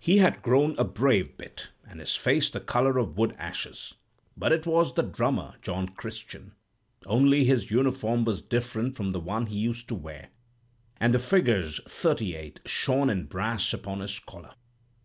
"He had grown a brave bit, and his face the color of wood ashes; but it was the drummer, John Christian. Only his uniform was different from the one he used to wear, and the figures '38' shone in brass upon his collar.